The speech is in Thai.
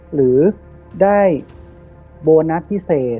หรือได้โบนัสพิเศษ